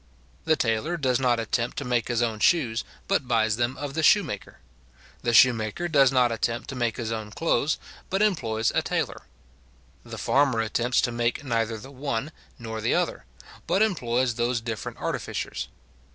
The tailor does not attempt to make his own shoes, but buys them of the shoemaker. The shoemaker does not attempt to make his own clothes, but employs a tailor. The farmer attempts to make neither the one nor the other, but employs those different artificers.